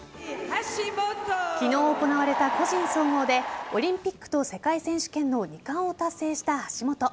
昨日行われた個人総合でオリンピックと世界選手権の二冠を達成した橋本。